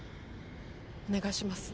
お願いします。